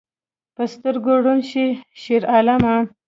په سترګو ړوند شې شیرعالمه